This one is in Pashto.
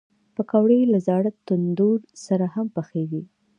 پکورې له زاړه تندور سره هم پخېږي